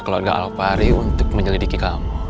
polonga alpari untuk menyelidiki kamu